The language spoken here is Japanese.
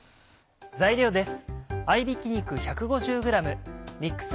材料です。